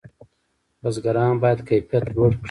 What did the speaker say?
بزګران باید کیفیت لوړ کړي.